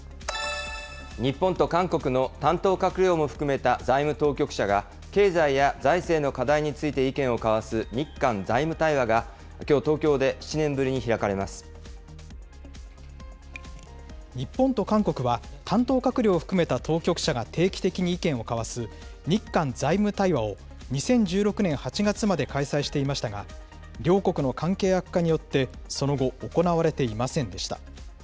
日本と韓国の担当閣僚も含めた財務当局者が、経済や財政の課題について意見を交わす日韓財務対話が、きょう東日本と韓国は、担当閣僚を含めた当局者が定期的に意見を交わす、日韓財務対話を２０１６年８月まで開催していましたが、両国の関係悪化によって、その後行われていませんでした。